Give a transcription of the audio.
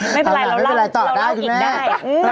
ไม่เป็นไรเราร่างกินได้